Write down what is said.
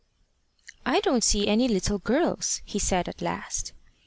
"I don't see any little girls," he said at last.